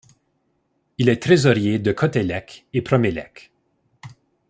Il est trésorier de Cotélec et Promélec.